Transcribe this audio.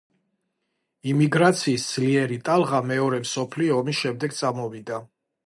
იმიგრაციის ძლიერი ტალღა მეორე მსოფლიო ომის შემდეგ წამოვიდა.